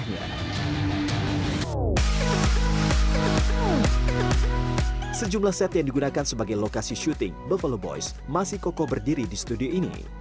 namun beberapa ketandaag thompson